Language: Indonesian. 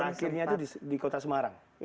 terakhirnya itu di kota semarang